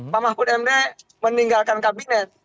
pak mahfud md meninggalkan kabinet